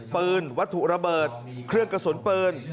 ปืนวัตถุระเบิดเครื่องกระสุนปืน